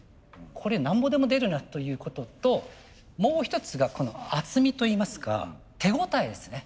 これなんぼでも出るなということともう一つがこの厚みといいますか手応えですね。